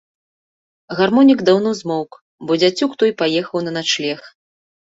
Гармонік даўно змоўк, бо дзяцюк той паехаў на начлег.